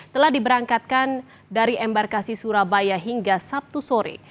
telah diberangkatkan dari embarkasi surabaya hingga sabtu sore